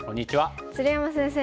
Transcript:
鶴山先生